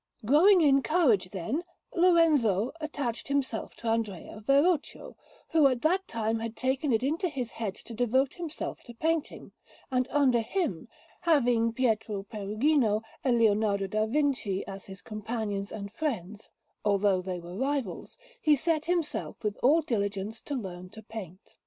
Growing in courage, then, Lorenzo attached himself to Andrea Verrocchio, who at that time had taken it into his head to devote himself to painting; and under him, having Pietro Perugino and Leonardo da Vinci as his companions and friends, although they were rivals, he set himself with all diligence to learn to paint.